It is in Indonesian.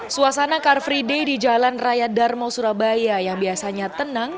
suasana car free day di jalan raya darmo surabaya yang biasanya tenang